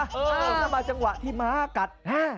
แล้วมาจังหวะที่ม้ากัด